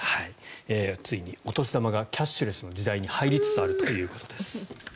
ついにお年玉がキャッシュレスの時代に入りつつあるということです。